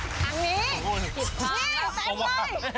ทางนี้